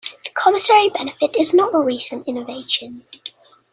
The commissary benefit is not a recent innovation.